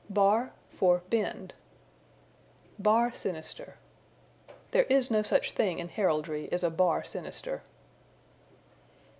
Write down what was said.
Bar for Bend. "Bar sinister." There is no such thing in heraldry as a bar sinister.